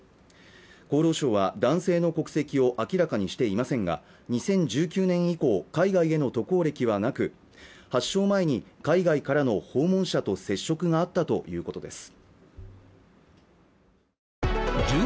厚労省は男性の国籍を明らかにしていませんが２０１９年以降海外への渡航歴はなく発症前に海外からの訪問者と接触があったということです